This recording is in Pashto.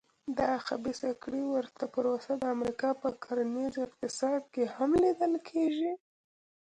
د خبیثه کړۍ ورته پروسه د امریکا په کرنیز اقتصاد کې هم لیدل کېږي.